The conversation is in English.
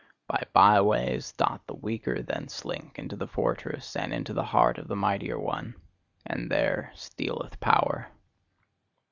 By by ways doth the weaker then slink into the fortress, and into the heart of the mightier one and there stealeth power.